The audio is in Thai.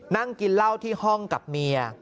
นั่งกินเหล้าที่ห้องกับเมีย